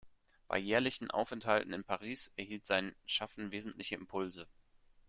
Bei jährlichen Aufenthalten in Paris erhielt sein Schaffen wesentliche Impulse.